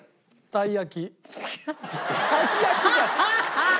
たい焼き？